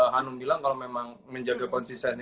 hanum bilang kalau memang menjaga konsistensi